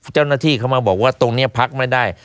เจ้าหน้าที่เขามาบอกว่าตรงนี้พักไม่ได้